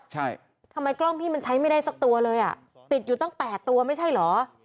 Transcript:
ใช่ทำไมกล้องพี่มันใช้ไม่ได้สักตัวเลยอ่ะติดอยู่ตั้ง๘ตัวไม่ใช่เหรอ